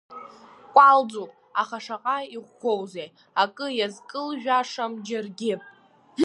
Кәалӡуп, аха шаҟа иӷәӷәоузеи, акы иазкылжәашам џьаргьы…